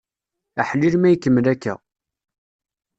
Aḥlil ma ikemmel akka!